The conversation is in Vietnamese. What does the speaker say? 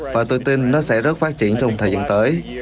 và tôi tin nó sẽ rất phát triển trong thời gian tới